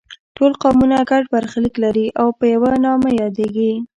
ټول قومونه ګډ برخلیک لري او په یوه نامه یادیږي.